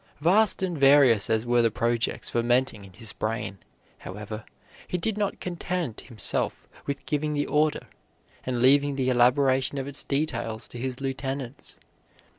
Vast and various as were the projects fermenting in his brain, however, he did not content himself with giving the order, and leaving the elaboration of its details to his lieutenants.